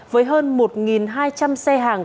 với hơn một hai trăm linh xe hàng